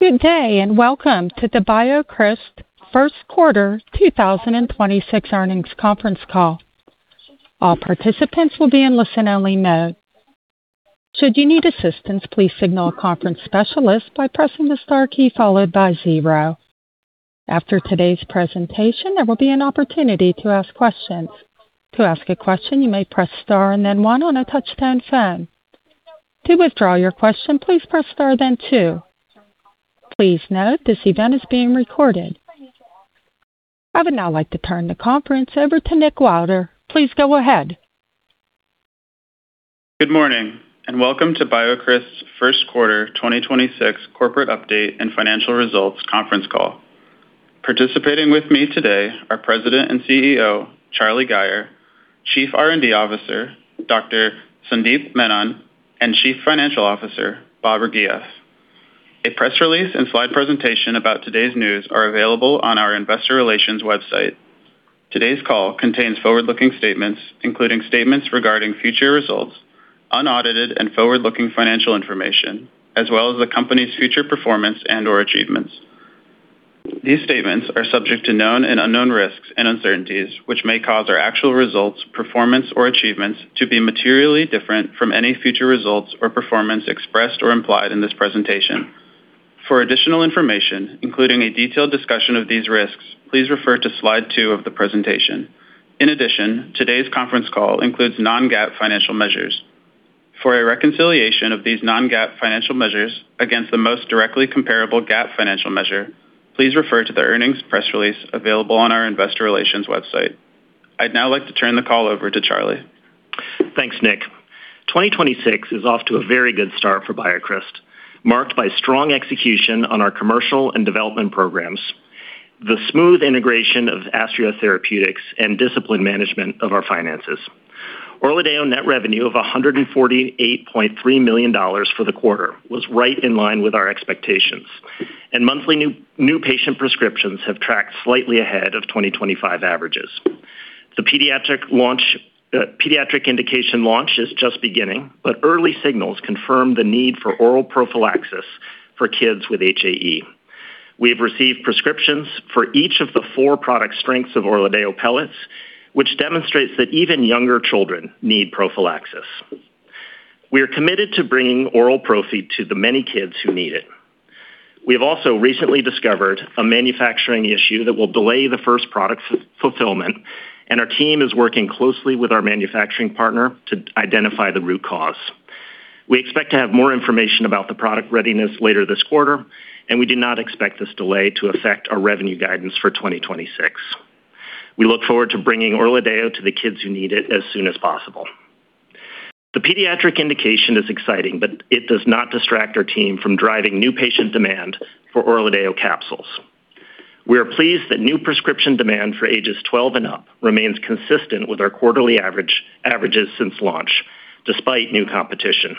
Good day. Welcome to the BioCryst first quarter 2026 earnings conference call. All participants will be in listen-only mode. Should you need assistance, please signal a conference specialist by pressing the star key followed by zero. After today's presentation, there will be an opportunity to ask questions. To ask a question, you may press star and then one on a touch-tone phone. To withdraw your question, please press star, then two. Please note this event is being recorded. I would now like to turn the conference over to Nick Wilder. Please go ahead. Good morning, and welcome to BioCryst's first-quarter 2026 corporate update and financial results conference call. Participating with me today are President and CEO, Charlie Gayer, Chief R&D Officer, Dr. Sandeep Menon, and Chief Financial Officer, Babar Ghias. A press release and slide presentation about today's news are available on our investor relations website. Today's call contains forward-looking statements, including statements regarding future results, unaudited and forward-looking financial information, as well as the company's future performance and or achievements. These statements are subject to known and unknown risks and uncertainties, which may cause our actual results, performance, or achievements to be materially different from any future results or performance expressed or implied in this presentation. For additional information, including a detailed discussion of these risks, please refer to slide two of the presentation. In addition, today's conference call includes non-GAAP financial measures. For a reconciliation of these non-GAAP financial measures against the most directly comparable GAAP financial measure, please refer to the earnings press release available on our investor relations website. I'd now like to turn the call over to Charlie. Thanks, Nick. 2026 is off to a very good start for BioCryst, marked by strong execution on our commercial and development programs, the smooth integration of Astria Therapeutics, disciplined management of our finances. ORLADEYO net revenue of $148.3 million for the quarter was right in line with our expectations. Monthly new patient prescriptions have tracked slightly ahead of 2025 averages. The pediatric launch, pediatric indication launch is just beginning, but early signals confirm the need for oral prophylaxis for kids with HAE. We have received prescriptions for each of the four product strengths of ORLADEYO pellets, which demonstrates that even younger children need prophylaxis. We are committed to bringing oral prophy to the many kids who need it. We have also recently discovered a manufacturing issue that will delay the first product fulfillment. Our team is working closely with our manufacturing partner to identify the root cause. We expect to have more information about the product readiness later this quarter and we do not expect this delay to affect our revenue guidance for 2026. We look forward to bringing ORLADEYO to the kids who need it as soon as possible. The pediatric indication is exciting. It does not distract our team from driving new patient demand for ORLADEYO capsules. We are pleased that new prescription demand for ages 12 and up remains consistent with our quarterly averages since launch, despite new competition.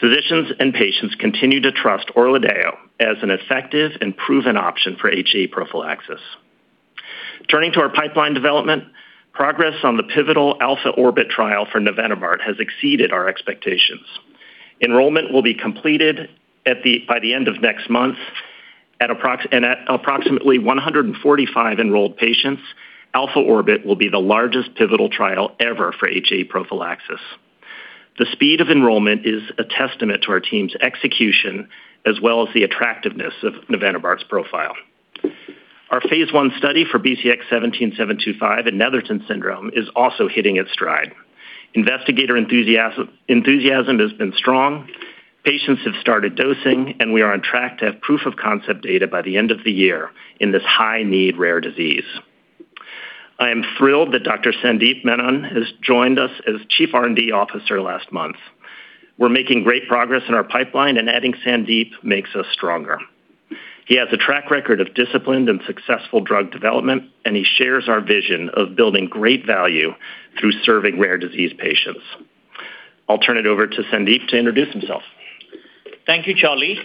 Physicians and patients continue to trust ORLADEYO as an effective and proven option for HAE prophylaxis. Turning to our pipeline development, progress on the pivotal ALPHA-ORBIT trial for navenibart has exceeded our expectations. Enrollment will be completed by the end of next month, and at approximately 145 enrolled patients, ALPHA-ORBIT will be the largest pivotal trial ever for HAE prophylaxis. The speed of enrollment is a testament to our team's execution as well as the attractiveness of navenibart's profile. Our phase I study for BCX17725 in Netherton syndrome is also hitting its stride. Investigator enthusiasm has been strong, patients have started dosing, and we are on track to have proof of concept data by the end of the year in this high-need rare disease. I am thrilled that Dr. Sandeep Menon has joined us as Chief R&D Officer last month. We're making great progress in our pipeline, and adding Sandeep makes us stronger. He has a track record of disciplined and successful drug development, and he shares our vision of building great value through serving rare disease patients. I'll turn it over to Sandeep to introduce himself. Thank you, Charlie.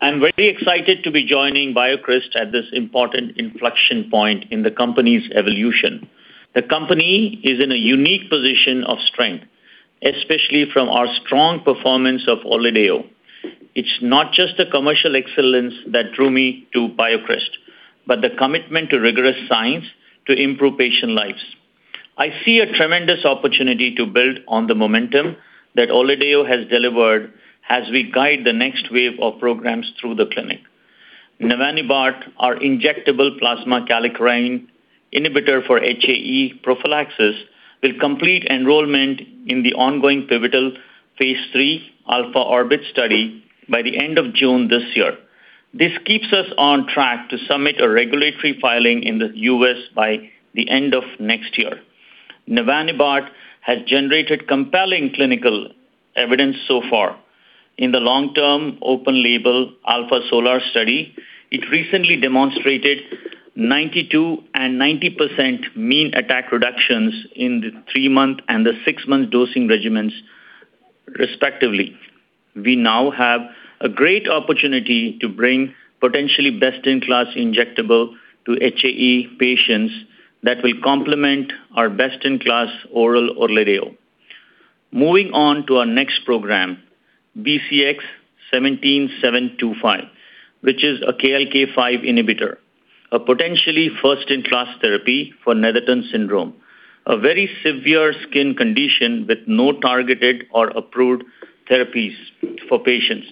I'm very excited to be joining BioCryst at this important inflection point in the company's evolution. The company is in a unique position of strength, especially from our strong performance of ORLADEYO. It's not just the commercial excellence that drew me to BioCryst, but the commitment to rigorous science to improve patient lives. I see a tremendous opportunity to build on the momentum that ORLADEYO has delivered as we guide the next wave of programs through the clinic. navenibart, our injectable plasma kallikrein inhibitor for HAE prophylaxis, will complete enrollment in the ongoing pivotal phase III ALPHA-ORBIT study by the end of June this year. This keeps us on track to submit a regulatory filing in the U.S. by the end of next year. navenibart has generated compelling clinical evidence so far. In the long-term, open-label ALPHA-SOLAR study, it recently demonstrated 92% and 90% mean attack reductions in the three-month and the six-month dosing regimens respectively. We now have a great opportunity to bring potentially best-in-class injectable to HAE patients that will complement our best-in-class oral ORLADEYO. Moving on to our next program, BCX17725, which is a KLK5 inhibitor, a potentially first-in-class therapy for Netherton syndrome, a very severe skin condition with no targeted or approved therapies for patients.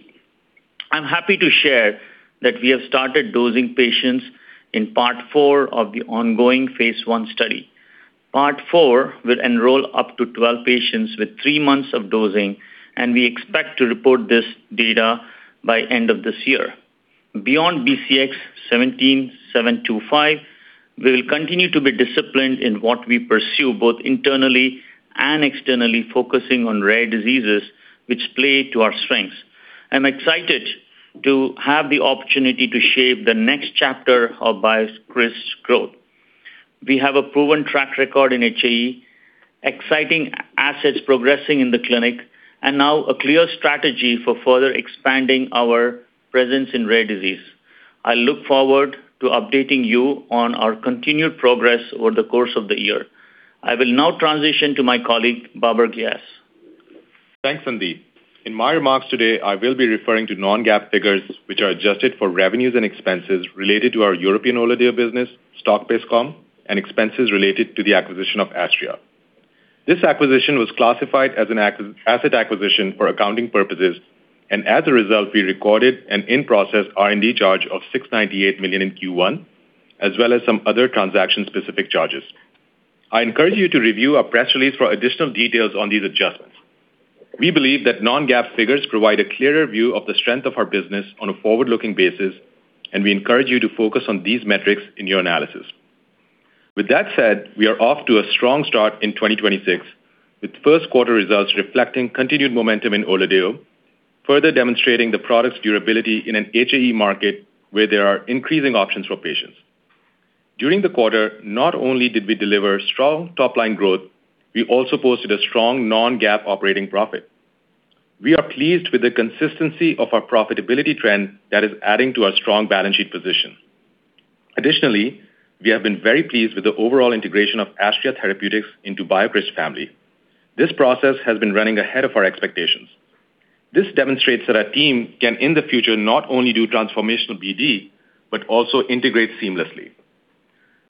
I'm happy to share that we have started dosing patients in Part four of the ongoing phase I study. Part four will enroll up to 12 patients with three months of dosing. We expect to report this data by end of this year. Beyond BCX17725, we will continue to be disciplined in what we pursue, both internally and externally, focusing on rare diseases which play to our strengths. I'm excited to have the opportunity to shape the next chapter of BioCryst's growth. We have a proven track record in HAE, exciting assets progressing in the clinic, and now a clear strategy for further expanding our presence in rare disease. I look forward to updating you on our continued progress over the course of the year. I will now transition to my colleague, Babar Ghias. Thanks, Sandeep. In my remarks today, I will be referring to non-GAAP figures which are adjusted for revenues and expenses related to our European ORLADEYO business, stock-based comp, and expenses related to the acquisition of Astria. This acquisition was classified as an asset acquisition for accounting purposes. As a result, we recorded an in-process R&D charge of $698 million in Q1, as well as some other transaction-specific charges. I encourage you to review our press release for additional details on these adjustments. We believe that non-GAAP figures provide a clearer view of the strength of our business on a forward-looking basis. We encourage you to focus on these metrics in your analysis. With that said, we are off to a strong start in 2026, with first quarter results reflecting continued momentum in ORLADEYO, further demonstrating the product's durability in an HAE market where there are increasing options for patients. During the quarter, not only did we deliver strong top-line growth, we also posted a strong non-GAAP operating profit. We are pleased with the consistency of our profitability trend that is adding to our strong balance sheet position. Additionally, we have been very pleased with the overall integration of Astria Therapeutics into BioCryst family. This process has been running ahead of our expectations. This demonstrates that our team can, in the future, not only do transformational BD, but also integrate seamlessly.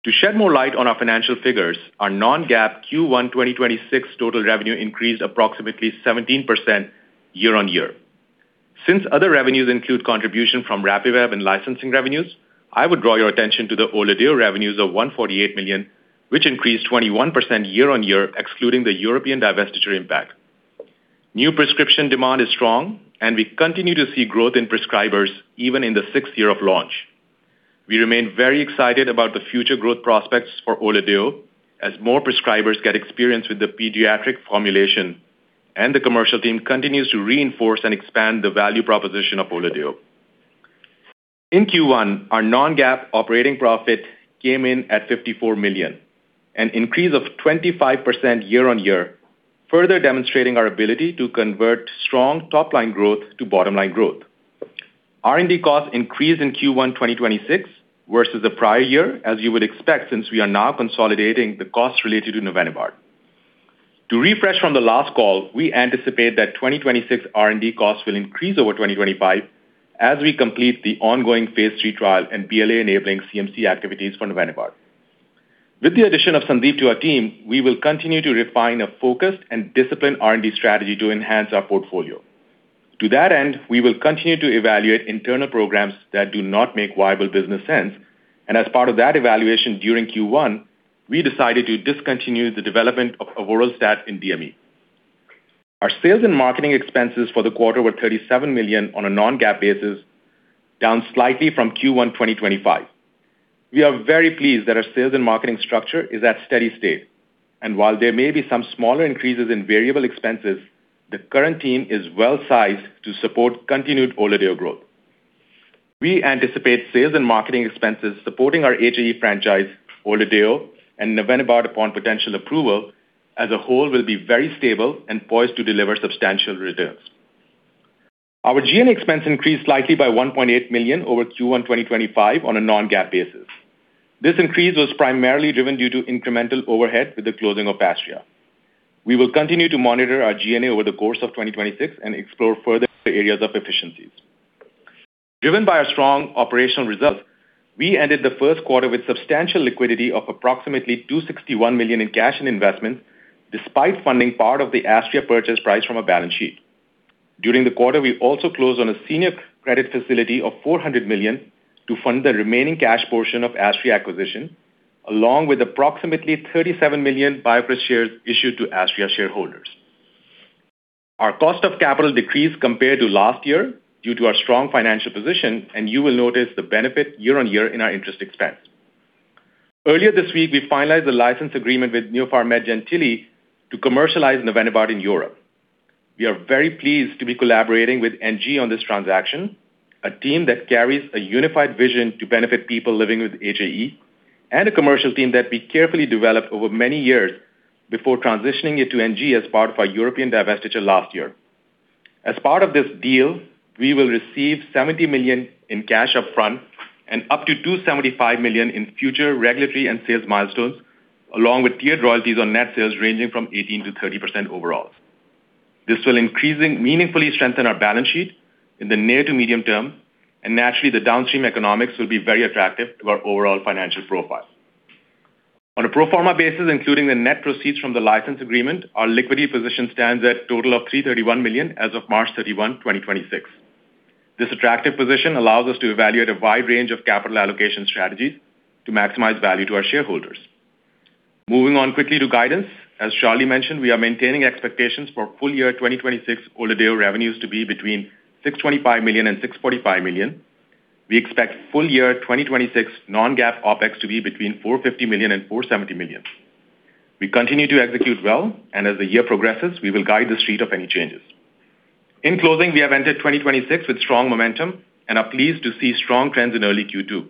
To shed more light on our financial figures, our non-GAAP Q1 2026 total revenue increased approximately 17% year-over-year. Other revenues include contribution from RAPIVAB and licensing revenues. I would draw your attention to the ORLADEYO revenues of $148 million, which increased 21% year-on-year, excluding the European divestiture impact. New prescription demand is strong, and we continue to see growth in prescribers even in the sixth year of launch. We remain very excited about the future growth prospects for ORLADEYO as more prescribers get experience with the pediatric formulation and the commercial team continues to reinforce and expand the value proposition of ORLADEYO. In Q1, our non-GAAP operating profit came in at $54 million, an increase of 25% year-on-year, further demonstrating our ability to convert strong top-line growth to bottom-line growth. R&D costs increased in Q1 2026 versus the prior year, as you would expect, since we are now consolidating the costs related to navenibart. To refresh from the last call, we anticipate that 2026 R&D costs will increase over 2025 as we complete the ongoing phase III trial and BLA-enabling CMC activities for navenibart. With the addition of Sandeep to our team, we will continue to refine a focused and disciplined R&D strategy to enhance our portfolio. To that end, we will continue to evaluate internal programs that do not make viable business sense. As part of that evaluation during Q1, we decided to discontinue the development of avoralstat in DME. Our sales and marketing expenses for the quarter were $37 million on a non-GAAP basis, down slightly from Q1 2025. We are very pleased that our sales and marketing structure is at steady state. While there may be some smaller increases in variable expenses, the current team is well-sized to support continued ORLADEYO growth. We anticipate sales and marketing expenses supporting our HAE franchise, ORLADEYO, and navenibart upon potential approval, as a whole will be very stable and poised to deliver substantial returns. Our G&A expense increased slightly by $1.8 million over Q1 2025 on a non-GAAP basis. This increase was primarily driven due to incremental overhead with the closing of Astria. We will continue to monitor our G&A over the course of 2026 and explore further areas of efficiencies. Driven by our strong operational results, we ended the first quarter with substantial liquidity of approximately $261 million in cash and investments, despite funding part of the Astria purchase price from our balance sheet. During the quarter, we also closed on a senior credit facility of $400 million to fund the remaining cash portion of Astria acquisition, along with approximately 37 million BioCryst shares issued to Astria shareholders. Our cost of capital decreased compared to last year due to our strong financial position, and you will notice the benefit year-over-year in our interest expense. Earlier this week, we finalized a license agreement with Neopharmed Gentili to commercialize navenibart in Europe. We are very pleased to be collaborating with NG on this transaction, a team that carries a unified vision to benefit people living with HAE and a commercial team that we carefully developed over many years before transitioning it to NG as part of our European divestiture last year. As part of this deal, we will receive $70 million in cash upfront and up to $275 million in future regulatory and sales milestones, along with tiered royalties on net sales ranging from 18%-30% overall. This will meaningfully strengthen our balance sheet in the near to medium term, naturally, the downstream economics will be very attractive to our overall financial profile. On a pro forma basis, including the net proceeds from the license agreement, our liquidity position stands at total of $331 million as of March 31, 2026. This attractive position allows us to evaluate a wide range of capital allocation strategies to maximize value to our shareholders. Moving on quickly to guidance. As Charlie mentioned, we are maintaining expectations for full year 2026 ORLADEYO revenues to be between $625 million and $645 million. We expect full year 2026 non-GAAP OpEx to be between $450 million and $470 million. We continue to execute well, as the year progresses, we will guide the street of any changes. In closing, we have entered 2026 with strong momentum and are pleased to see strong trends in early Q2.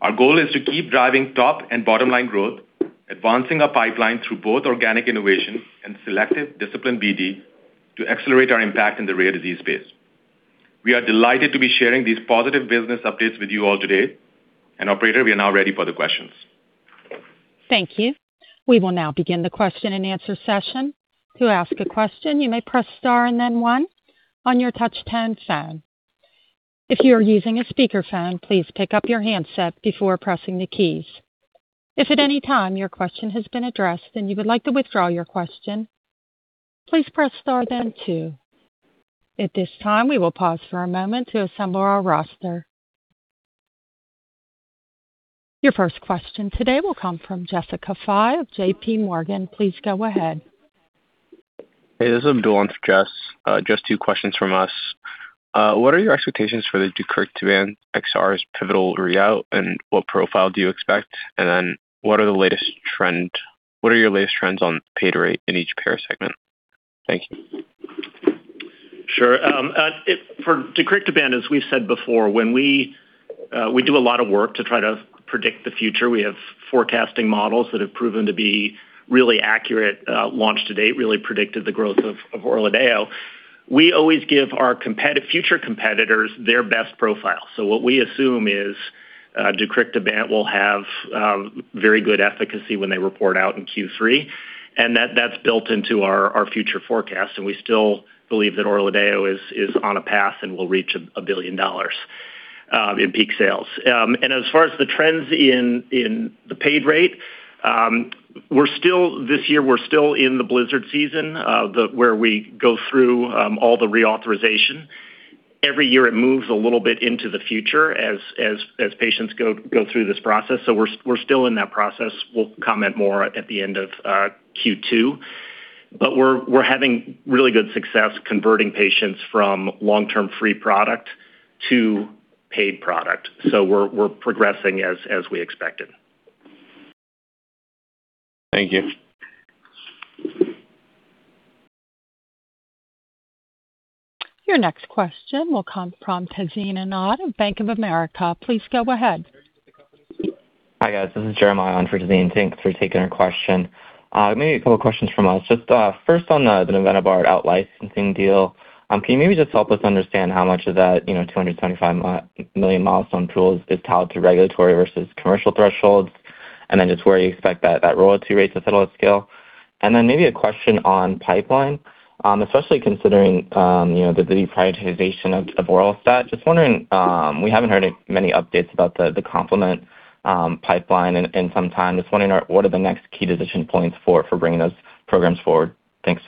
Our goal is to keep driving top and bottom-line growth, advancing our pipeline through both organic innovation and selective discipline BD to accelerate our impact in the rare disease space. We are delighted to be sharing these positive business updates with you all today. Operator, we are now ready for the questions. Thank you. We will now begin the question-and-answer session. Your first question today will come from Jessica Fye of JPMorgan. Please go ahead. Hey, this is Abdullah for Jess. Just two questions from us. What are your expectations for the deucrictibant XR's pivotal readout, and what profile do you expect? What are your latest trends on paid rate in each payer segment? Thank you. Sure. For deucrictibant, as we've said before, when we do a lot of work to try to predict the future. We have forecasting models that have proven to be really accurate, launch to date, really predicted the growth of ORLADEYO. We always give our future competitors their best profile. What we assume is deucrictibant will have very good efficacy when they report out in Q3, and that's built into our future forecast. We still believe that ORLADEYO is on a path and will reach $1 billion in peak sales. As far as the trends in the paid rate, this year, we're still in the blizzard season, where we go through all the reauthorization. Every year, it moves a little bit into the future as patients go through this process. We're still in that process. We'll comment more at the end of Q2. We're having really good success converting patients from long-term free product to paid product. We're progressing as we expected. Thank you. Your next question will come from Tazeen Ahmad of Bank of America. Please go ahead. Hi, guys. This is Jeremiah on for Tazeen. Thanks for taking our question. Maybe a couple of questions from us. First on the navenibart out-licensing deal. Can you maybe just help us understand how much of that, you know, $225 million milestone pools is tied to regulatory versus commercial thresholds? Just where you expect that royalty rate to settle at scale. Maybe a question on pipeline, especially considering, you know, the deprioritization of avoralstat. Just wondering, we haven't heard many updates about the complement pipeline in some time. Just wondering what are the next key decision points for bringing those programs forward. Thanks.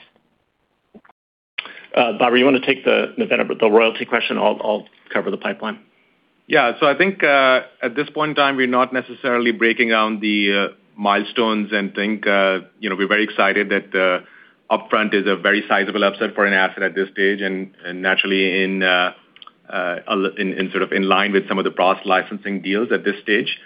Babar Ghias, you wanna take the royalty question? I'll cover the pipeline. I think, at this point in time, we're not necessarily breaking down the milestones and think, you know, we're very excited that the upfront is a very sizable upfront for an asset at this stage and naturally in sort of in line with some of the past licensing deals at this stage.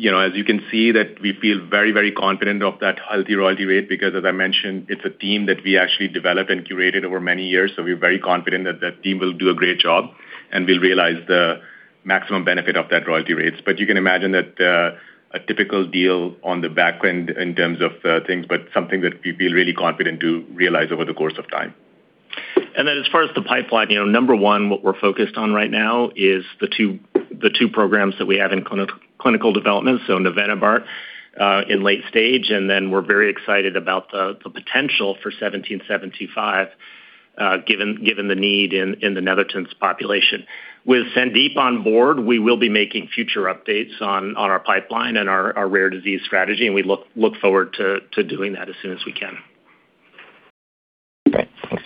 You know, as you can see that we feel very, very confident of that healthy royalty rate because as I mentioned, it's a team that we actually developed and curated over many years. We're very confident that that team will do a great job, and we'll realize the maximum benefit of that royalty rates. You can imagine that, a typical deal on the back end in terms of, things, but something that we feel really confident to realize over the course of time. As far as the pipeline, you know, number one, what we're focused on right now is the two programs that we have in clinical development, navenibart, in late stage, and then we're very excited about the potential for 1775, given the need in the Netherton syndrome population. With Sandeep on board, we will be making future updates on our pipeline and our rare disease strategy, and we look forward to doing that as soon as we can. Great. Thanks.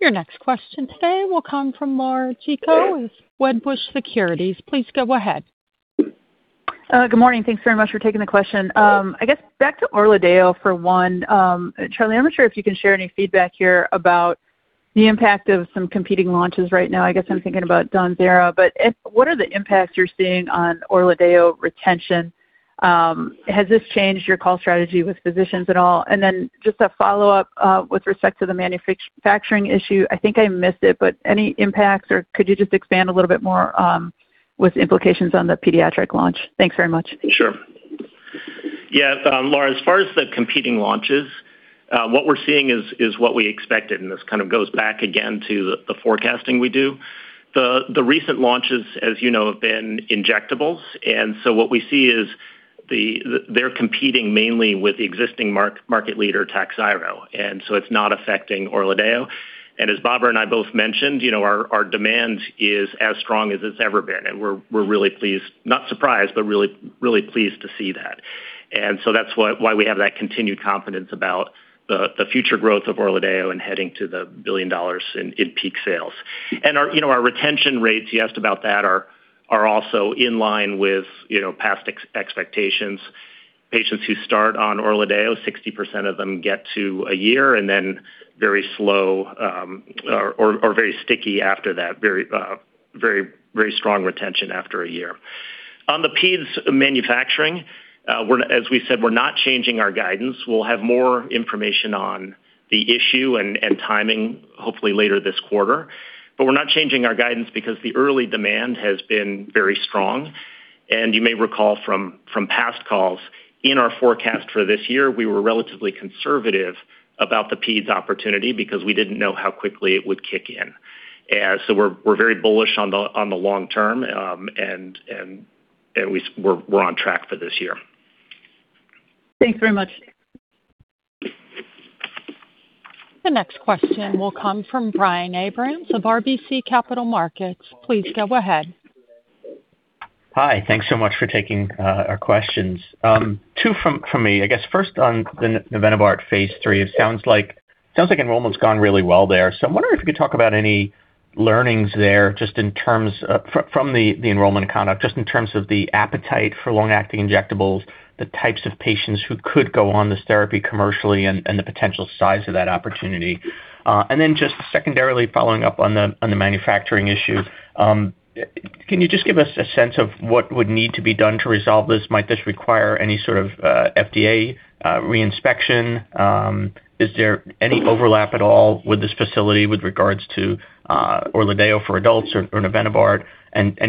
Your next question today will come from Laura Chico with Wedbush Securities. Please go ahead. Good morning. Thanks very much for taking the question. I guess back to ORLADEYO for one. Charlie, I'm not sure if you can share any feedback here about the impact of some competing launches right now. I guess I'm thinking about DAWNZERA. What are the impacts you're seeing on ORLADEYO retention? Has this changed your call strategy with physicians at all? Just a follow-up, with respect to the manufacturing issue. I think I missed it, but any impacts or could you just expand a little bit more with implications on the pediatric launch? Thanks very much. Sure. Yeah, Laura, as far as the competing launches, what we're seeing is what we expected, and this kind of goes back again to the forecasting we do. The recent launches, as you know, have been injectables. What we see is they're competing mainly with the existing market leader, TAKHZYRO. It's not affecting ORLADEYO. As Babar Ghias and I both mentioned, you know, our demand is as strong as it's ever been, and we're really pleased. Not surprised, but really pleased to see that. That's why we have that continued confidence about the future growth of ORLADEYO and heading to the $1 billion in peak sales. Our, you know, our retention rates, you asked about that, are also in line with, you know, past expectations. Patients who start on ORLADEYO, 60% of them get to a year and then very slow, or very sticky after that. Very strong retention after a year. On the peds manufacturing, as we said, we're not changing our guidance. We'll have more information on the issue and timing hopefully later this quarter. We're not changing our guidance because the early demand has been very strong. You may recall from past calls, in our forecast for this year, we were relatively conservative about the peds opportunity because we didn't know how quickly it would kick in. We're very bullish on the long-term, and we're on track for this year. Thanks very much. The next question will come from Brian Abrahams of RBC Capital Markets. Please go ahead. Hi. Thanks so much for taking our questions. Two from me. I guess first on the navenibart phase III, it sounds like enrollment's gone really well there. I'm wondering if you could talk about any learnings there, just from the enrollment conduct, just in terms of the appetite for long-acting injectables, the types of patients who could go on this therapy commercially, and the potential size of that opportunity. Then just secondarily following up on the manufacturing issue, can you just give us a sense of what would need to be done to resolve this? Might this require any sort of FDA re-inspection? Is there any overlap at all with this facility with regards to ORLADEYO for adults or navenibart?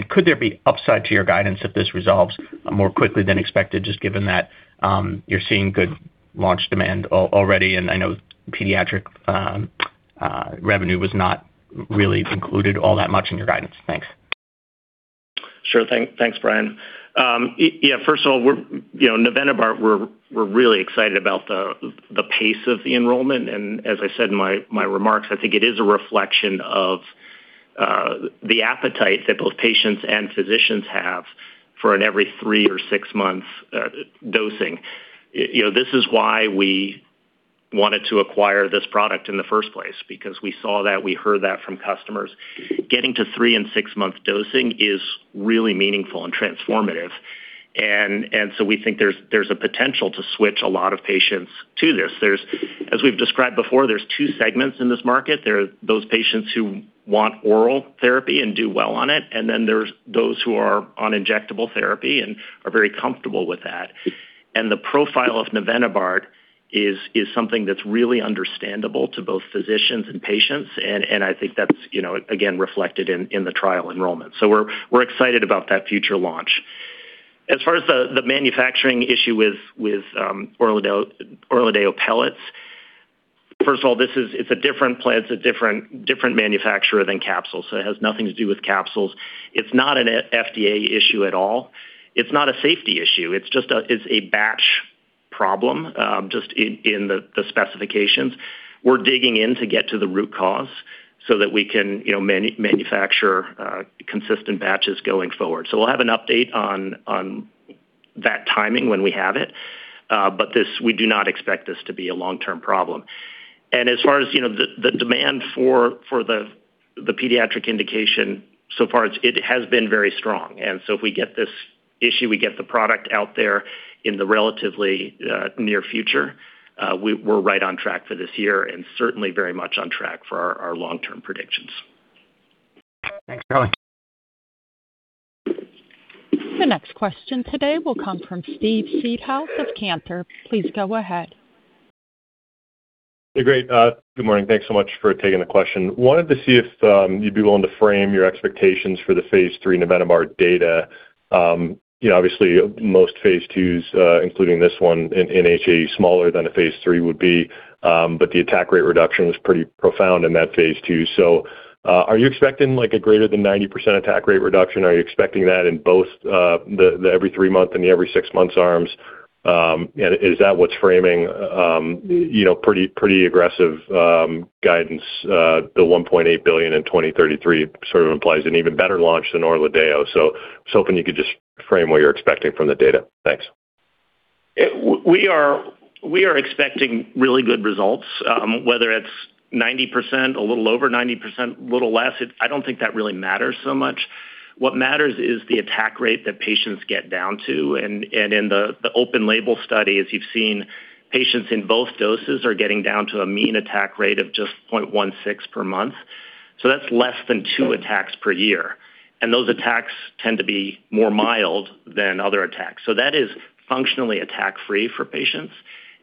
Could there be upside to your guidance if this resolves more quickly than expected, just given that you're seeing good launch demand already? I know pediatric revenue was not really included all that much in your guidance. Thanks. Sure thing. Thanks, Brian. Yeah, first of all, you know, navenibart, we're really excited about the pace of the enrollment. As I said in my remarks, I think it is a reflection of the appetite that both patients and physicians have for an every three or six months dosing. You know, this is why we wanted to acquire this product in the first place, because we saw that, we heard that from customers. Getting to three and six-month dosing is really meaningful and transformative. We think there's a potential to switch a lot of patients to this. As we've described before, there's two segments in this market. There are those patients who want oral therapy and do well on it, and then there's those who are on injectable therapy and are very comfortable with that. The profile of navenibart is something that's really understandable to both physicians and patients, and I think that's, you know, again, reflected in the trial enrollment. We're excited about that future launch. As far as the manufacturing issue with ORLADEYO pellets, first of all, it's a different plant. It's a different manufacturer than capsules, so it has nothing to do with capsules. It's not an FDA issue at all. It's not a safety issue. It's just a batch problem in the specifications. We're digging in to get to the root cause so that we can, you know, manufacture consistent batches going forward. We'll have an update on that timing when we have it. We do not expect this to be a long-term problem. As far as, you know, the demand for the pediatric indication, so far it has been very strong. If we get this issue, we get the product out there in the relatively near future, we're right on track for this year and certainly very much on track for our long-term predictions. Thanks. The next question today will come from Steve Seedhouse of Cantor. Please go ahead. Yeah, great. Good morning. Thanks so much for taking the question. Wanted to see if you'd be willing to frame your expectations for the phase III navenibart data. You know, obviously most phase IIs, including this one, in HAE smaller than a phase III would be, but the attack rate reduction was pretty profound in that phase II. Are you expecting like a greater than 90% attack rate reduction? Are you expecting that in both the every three month and the every six months arms? Is that what's framing, you know, pretty aggressive guidance? The $1.8 billion in 2033 sort of implies an even better launch than ORLADEYO. I was hoping you could just frame what you're expecting from the data. Thanks. We are expecting really good results, whether it's 90%, a little over 90%, a little less. I don't think that really matters so much. What matters is the attack rate that patients get down to. In the open label study, as you've seen, patients in both doses are getting down to a mean attack rate of just 0.16 per month. That's less than two attacks per year. Those attacks tend to be more mild than other attacks. That is functionally attack free for patients.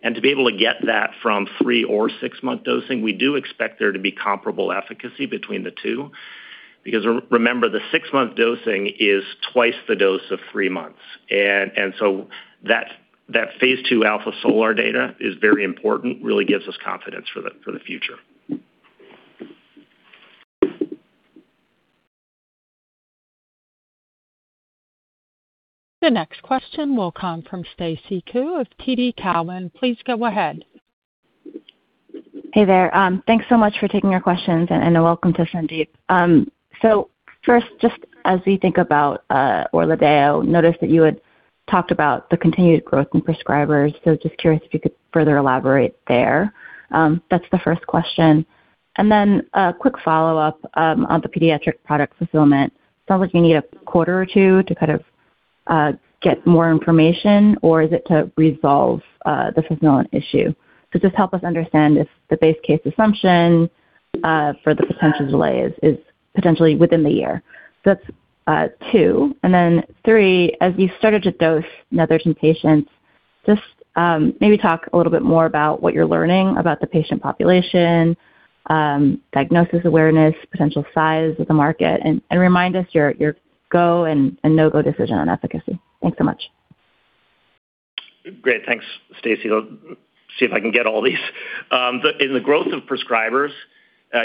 To be able to get that from three or six-month dosing, we do expect there to be comparable efficacy between the two. Because remember, the six-month dosing is twice the dose of three months. That phase II ALPHA-SOLAR data is very important, really gives us confidence for the future. The next question will come from Stacy Ku of TD Cowen. Please go ahead. Hey there. Thanks so much for taking our questions, and welcome to Sandeep. First, just as we think about ORLADEYO, noticed that you had talked about the continued growth in prescribers. Just curious if you could further elaborate there. That's the first question. A quick follow-up on the pediatric product fulfillment. Sounds like you need a quarter or two to kind of get more information or is it to resolve the fulfillment issue? Just help us understand if the base case assumption for the potential delay is potentially within the year. That's two. Three, as you started to dose Netherton patients, just, maybe talk a little bit more about what you're learning about the patient population, diagnosis awareness, potential size of the market, and remind us your go and no-go decision on efficacy. Thanks so much. Great. Thanks, Stacy. I'll see if I can get all these. In the growth of prescribers,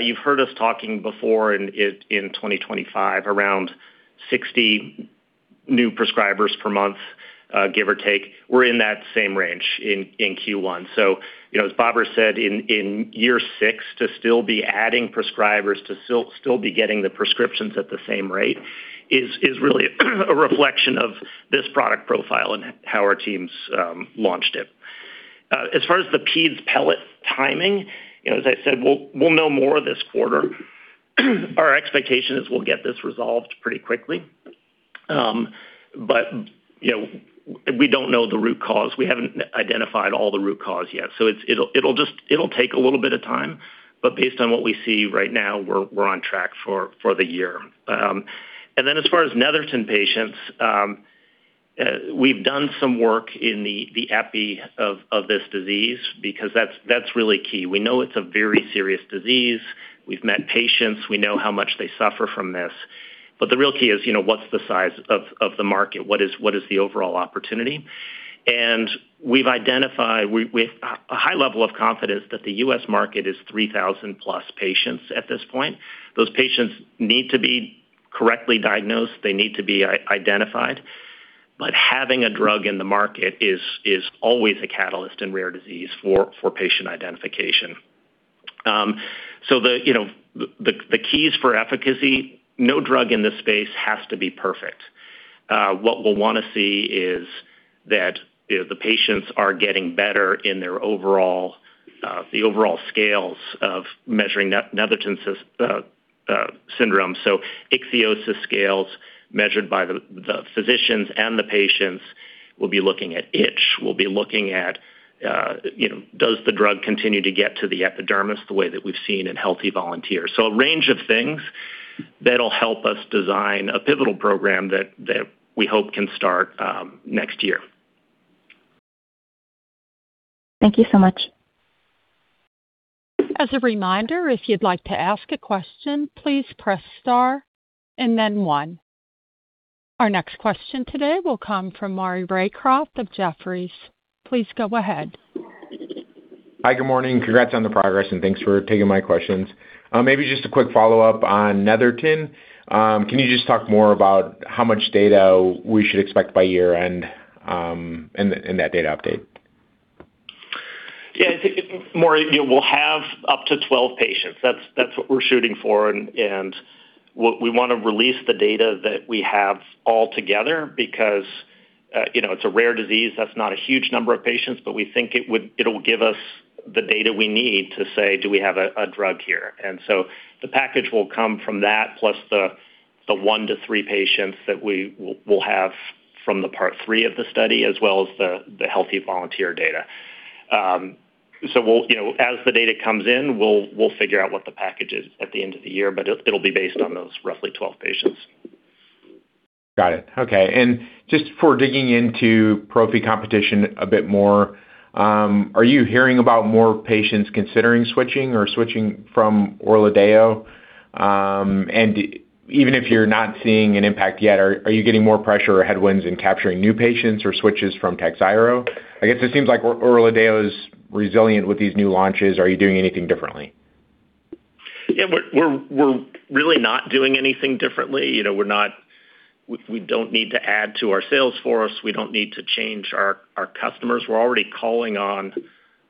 you've heard us talking before in 2025, around 60 new prescribers per month, give or take. We're in that same range in Q1. You know, as Babar Ghias said, in year six, to still be adding prescribers, to still be getting the prescriptions at the same rate is really a reflection of this product profile and how our teams launched it. As far as the pedes pellet timing, you know, as I said, we'll know more this quarter. Our expectation is we'll get this resolved pretty quickly. You know, we don't know the root cause. We haven't identified all the root cause yet. It'll take a little bit of time, but based on what we see right now, we're on track for the year. As far as Netherton patients, we've done some work in the epi of this disease because that's really key. We know it's a very serious disease. We've met patients. We know how much they suffer from this. The real key is, you know, what's the size of the market? What is the overall opportunity? We've a high level of confidence that the U.S. market is 3,000+ patients at this point. Those patients need to be correctly diagnosed. They need to be identified. Having a drug in the market is always a catalyst in rare disease for patient identification. The, you know, the keys for efficacy, no drug in this space has to be perfect. What we'll wanna see is that, you know, the patients are getting better in their overall scales of measuring Netherton syndrome. Ichthyosis scales measured by the physicians and the patients. We'll be looking at itch. We'll be looking at, you know, does the drug continue to get to the epidermis the way that we've seen in healthy volunteers? A range of things that'll help us design a pivotal program that we hope can start next year. Thank you so much. Our next question today will come from Maury Raycroft of Jefferies. Please go ahead. Hi, good morning. Congrats on the progress, thanks for taking my questions. Maybe just a quick follow-up on Netherton. Can you just talk more about how much data we should expect by year-end in that data update? Yeah. I think, Maury, you know, we'll have up to 12 patients. That's what we're shooting for, and we wanna release the data that we have all together because, you know, it's a rare disease. That's not a huge number of patients, but we think it'll give us the data we need to say, "Do we have a drug here?" The package will come from that, plus the one to three patients that we will have from the part three of the study, as well as the healthy volunteer data. We'll, you know, as the data comes in, we'll figure out what the package is at the end of the year, but it'll be based on those roughly 12 patients. Got it. Okay. Just for digging into Prophy competition a bit more, are you hearing about more patients considering switching or switching from ORLADEYO? Even if you're not seeing an impact yet, are you getting more pressure or headwinds in capturing new patients or switches from TAKHZYRO? I guess it seems like ORLADEYO is resilient with these new launches. Are you doing anything differently? Yeah. We're really not doing anything differently. You know, we don't need to add to our sales force. We don't need to change our customers. We're already calling on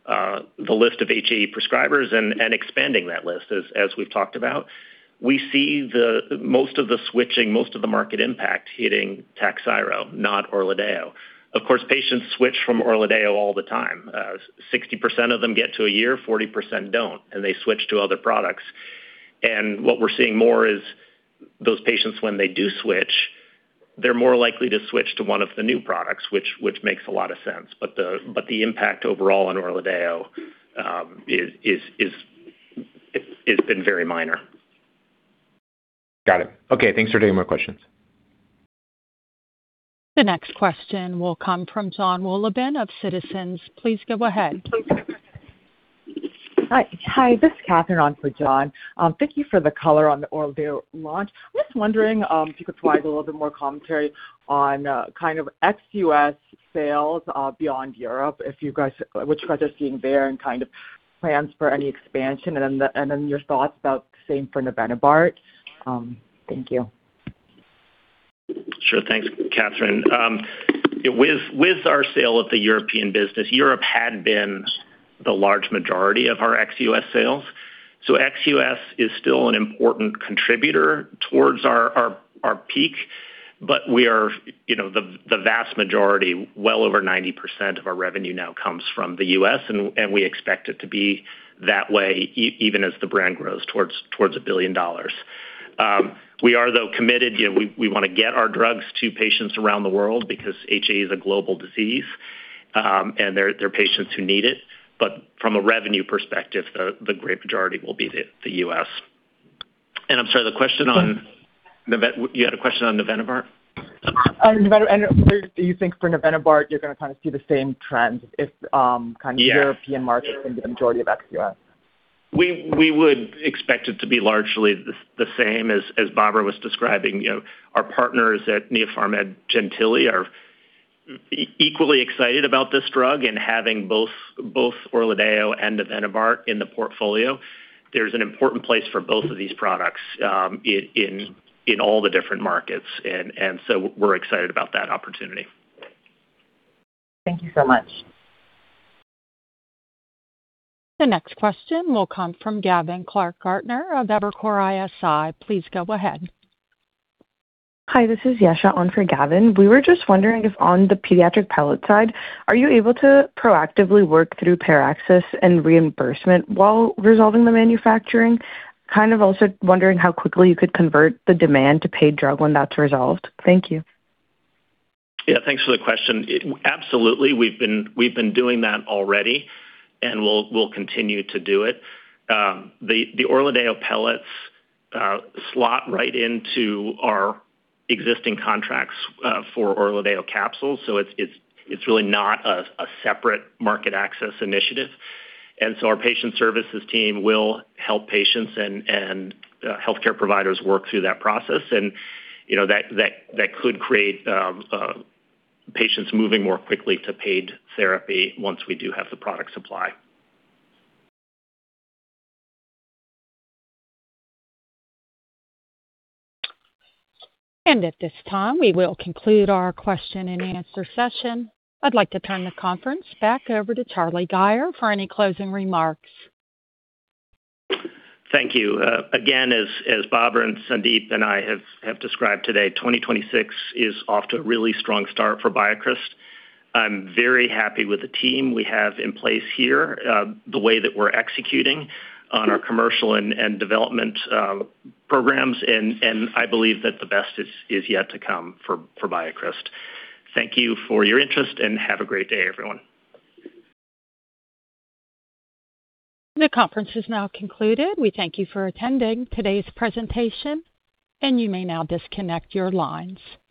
the list of HAE prescribers and expanding that list, as we've talked about. We see most of the switching, most of the market impact hitting TAKHZYRO, not ORLADEYO. Of course, patients switch from ORLADEYO all the time. 60% of them get to a year, 40% don't, and they switch to other products. What we're seeing more is those patients, when they do switch, they're more likely to switch to one of the new products, which makes a lot of sense. The impact overall on ORLADEYO has been very minor. Got it. Okay. Thanks for taking my questions. The next question will come from Jon Wolleben of Citizens. Please go ahead. Hi. This is Catherine on for John. Thank you for the color on the ORLADEYO launch. Just wondering, if you could provide a little bit more commentary on kind of ex U.S. sales beyond Europe, what you guys are seeing there and kind of plans for any expansion and then your thoughts about same for navenibart. Thank you. Sure. Thanks, Catherine. With our sale of the European business, Europe had been the large majority of our ex-U.S. sales. Ex-U.S. is still an important contributor towards our peak, but we are the vast majority, well over 90% of our revenue now comes from the U.S., and we expect it to be that way even as the brand grows towards $1 billion. We are, though, committed. We wanna get our drugs to patients around the world because HAE is a global disease, and there are patients who need it. From a revenue perspective, the great majority will be the U.S. I'm sorry, you had a question on navenibart? Do you think for navenibart you're gonna kind of see the same trends if? Yeah. European markets in the majority of ex-U.S.? We would expect it to be largely the same as Babar Ghias was describing. You know, our partners at Neopharmed Gentili are equally excited about this drug and having both ORLADEYO and navenibart in the portfolio. There's an important place for both of these products in all the different markets. We're excited about that opportunity. Thank you so much. The next question will come from Gavin Clark-Gartner of Evercore ISI. Please go ahead. Hi, this is Yesha on for Gavin. We were just wondering if on the pediatric patient side, are you able to proactively work through prior auth and reimbursement while resolving the manufacturing? Kind of also wondering how quickly you could convert the demand to paid drug when that's resolved? Thank you. Yeah, thanks for the question. Absolutely. We've been doing that already, and we'll continue to do it. The ORLADEYO pellets slot right into our existing contracts for ORLADEYO capsules, so it's really not a separate market access initiative. Our patient services team will help patients and healthcare providers work through that process. You know, that could create patients moving more quickly to paid therapy once we do have the product supply. At this time, we will conclude our question and answer session. I'd like to turn the conference back over to Charlie Gayer for any closing remarks. Thank you. Again, as Babar Ghias and Sandeep Menon and I have described today, 2026 is off to a really strong start for BioCryst. I'm very happy with the team we have in place here, the way that we're executing on our commercial and development programs. I believe that the best is yet to come for BioCryst. Thank you for your interest and have a great day, everyone. The conference is now concluded. We thank you for attending today's presentation, and you may now disconnect your lines.